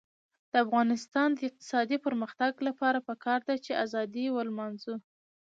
د افغانستان د اقتصادي پرمختګ لپاره پکار ده چې ازادي ولمانځو.